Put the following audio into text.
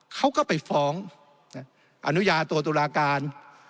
เขาก็ไปฟ้องอนุญาโตตุลาการ